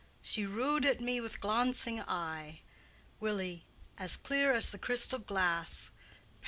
She roode at me with glauncing eye, W. As clear as the crystal glasse. P.